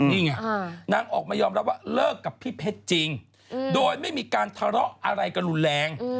นี่ไงนางออกมายอมรับว่าเลิกกับพี่เพชรจริงโดยไม่มีการทะเลาะอะไรกันรุนแรง